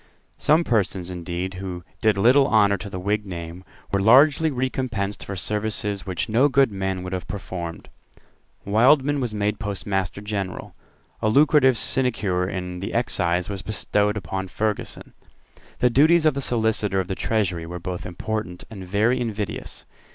Some persons, indeed, who did little honour to the Whig name, were largely recompensed for services which no good man would have performed. Wildman was made Postmaster General. A lucrative sinecure in the Excise was bestowed on Ferguson. The duties of the Solicitor of the Treasury were both very important and very invidious.